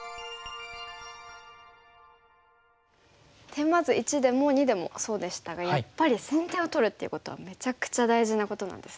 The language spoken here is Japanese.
テーマ図１でも２でもそうでしたがやっぱり先手を取るっていうことはめちゃくちゃ大事なことなんですね。